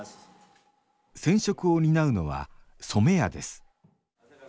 染色を担うのは染屋です。